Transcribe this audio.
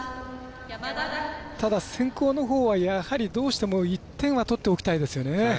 ただ、先行のほうはどうしても１点は取っておきたいですよね。